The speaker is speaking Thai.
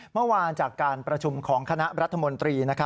เมื่อวานจากการประชุมของคณะรัฐมนตรี